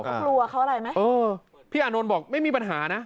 เขากลัวเขาอะไรไหมเออพี่อานนท์บอกไม่มีปัญหานะ